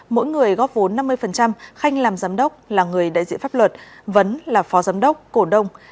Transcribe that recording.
mỗi người góp vốn năm mươi khanh làm giám đốc là người đại diện pháp luật vấn là phó giám đốc cổ đông